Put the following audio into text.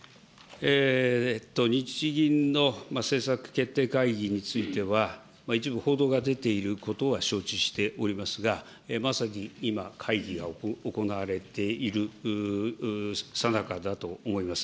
日銀の政策決定会議については、一部報道が出ていることは承知しておりますが、まさに今、会議が行われているさなかだと思います。